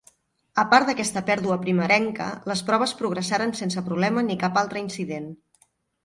A part d'aquesta pèrdua primerenca, les proves progressaren sense problema ni cap altre incident.